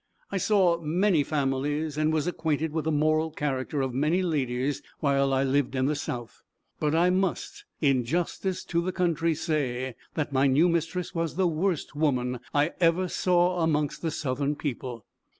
I saw many families, and was acquainted with the moral character of many ladies while I lived in the South; but I must, in justice to the country, say that my new mistress was the worst woman I ever saw amongst the southern people.